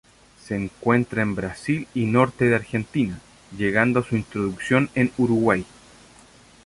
Se encuentra en Brasil y norte de Argentina, llegando a su introducción en Uruguay.